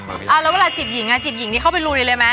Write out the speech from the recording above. แล้วเวลาจิบหญิงอย่างนี้เข้าไปรวยได้เลยไหม